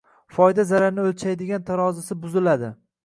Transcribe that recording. Foyda-zararni o‘lchaydigan tarozisi buziladi.